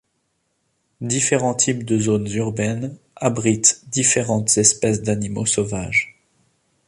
Différents types de zones urbaines abritent différentes espèces d'animaux sauvages.